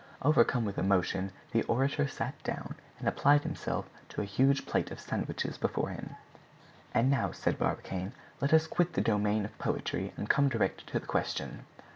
Overcome with emotion the orator sat down and applied himself to a huge plate of sandwiches before him. "And now," said Barbicane, "let us quit the domain of poetry and come direct to the question."